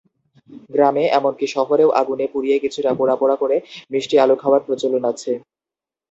গ্রামে, এমন কি শহরেও আগুনে পুড়িয়ে কিছুটা পোড়া পোড়া করে মিষ্টি আলু খাওয়ার প্রচলন আছে।